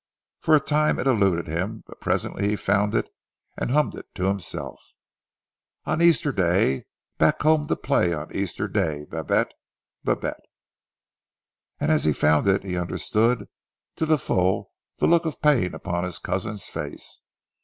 For a time it eluded him, but presently he found it and hummed to himself " On Easter Day Back home to play On Easter day, Babette! Babette!" and as he found it he understood to the full the look of pain upon his cousin's face.